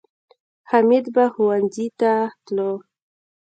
حمید به ښوونځي ته تلو